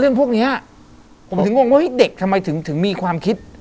เรื่องพวกนี้ผมถึงงงว่าเฮ้ยเด็กทำไมถึงมีความคิด